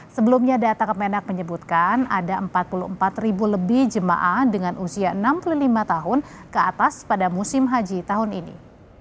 sebelumnya data kemenak menyebutkan ada empat puluh empat ribu lebih jemaah dengan usia enam puluh lima tahun ke atas pada musim haji tahun ini